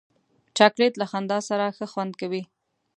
چاکلېټ له خندا سره ښه خوند کوي.